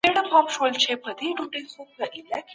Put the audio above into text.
خوځښت روغتیا پیاوړې کوي.